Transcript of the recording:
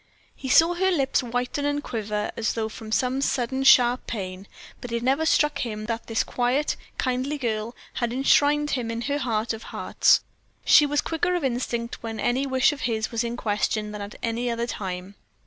He saw her lips whiten and quiver as though from some sudden, sharp pain, but it never struck him that this quiet, kindly girl had enshrined him in her heart of hearts. She was quicker of instinct when any wish of his was in question than at any other time.